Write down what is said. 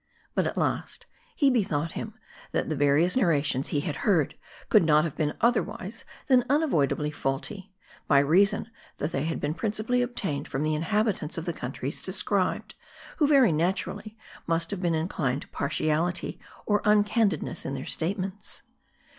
But at last, he bethought him, that the various narrations he had heard, could not have been otherwise than unavoid ably faulty ; by reason that they had been principally ob tained from the inhabitants of the countries described ; who, very naturally, must have been inclined to partiality or uncandidness in their statements.